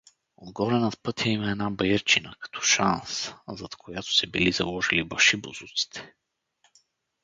Отгоре над пътя има една баирчина, като шанс, зад която се били заложили башибозуците.